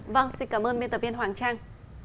vâng xin cảm ơn biên tập viên hoàng trang